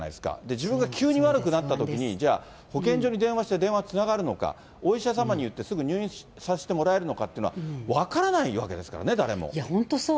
自分が急に悪くなったときに、じゃあ、保健所に電話して電話つながるのか、お医者様に言って、すぐに入院させてもらえるのかっていうのは分本当そう。